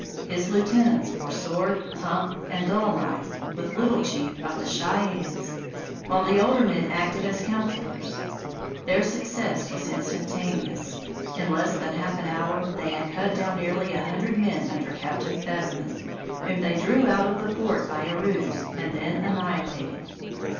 His lieutenants were Sword, Hump, and Dull Knife, with Little Chief of the Cheyennes, while the older men acted as councilors. Their success was instantaneous. In less than half an hour, they had cut down nearly a hundred men under Captain Fetterman, whom they drew out of the fort by a ruse and then annihilated.